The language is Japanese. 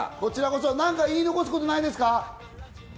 何か言い残したことはないですか？